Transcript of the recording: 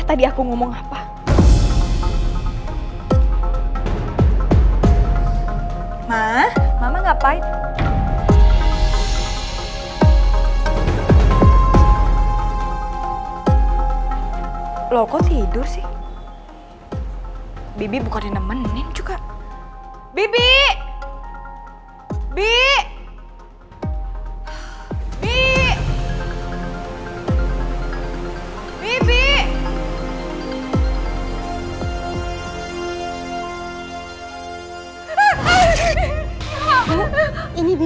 ini yang merupakan perubahan ruangan kan